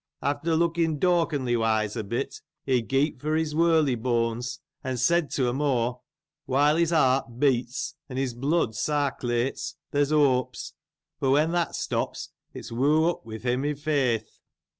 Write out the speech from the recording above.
After looking doubtingly wise, awhile, he got from his whirl bones, and said to them, " While his heart beats, and his blood sarcullates, there's hopes, but when that stops, it's whoo up with him, i' faith